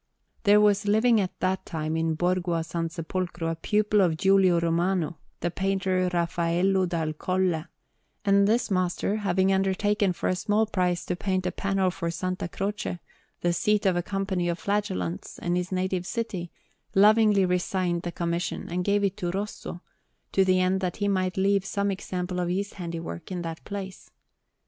There was living at that time in Borgo a San Sepolcro a pupil of Giulio Romano, the painter Raffaello dal Colle; and this master, having undertaken for a small price to paint a panel for S. Croce, the seat of a Company of Flagellants, in his native city, lovingly resigned the commission and gave it to Rosso, to the end that he might leave some example of his handiwork in that place.